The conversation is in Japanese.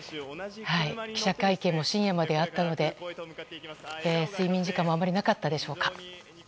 記者会見も深夜まであったので睡眠時間もあまりなかったでしょうか。